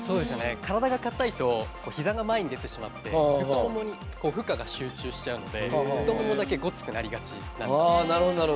体が硬いとひざが前に出てしまって太ももに負荷が集中しちゃうので太ももだけ、ごつくなりがち。